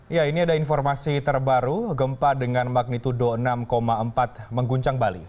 ya ini ada informasi terbaru gempa dengan magnitudo enam empat mengguncang bali